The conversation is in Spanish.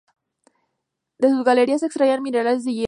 De sus galerías se extraían minerales de hierro.